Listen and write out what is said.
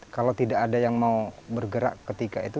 kalau tidak ada yang mau bergerak ketika itu